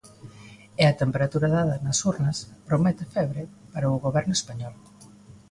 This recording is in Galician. E a temperatura dada nas urnas promete febre para o goberno español.